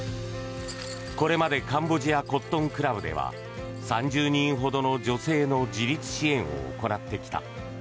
これまでカンボジアコットンクラブでは３０人ほどの女性の自立支援を行ってきた。